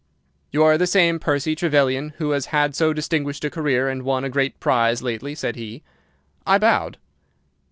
"'You are the same Percy Trevelyan who has had so distinguished a career and won a great prize lately?' said he. "I bowed.